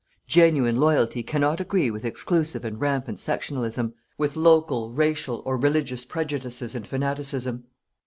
Genuine loyalty cannot agree with exclusive and rampant sectionalism, with local, racial or religious prejudices and fanaticism.